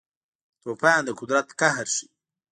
طوفان د قدرت قهر ښيي.